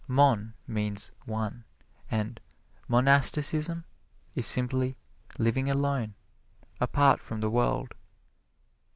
"Mon" means one, and monasticism is simply living alone, apart from the world.